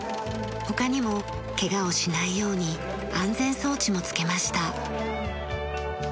他にもケガをしないように安全装置も付けました。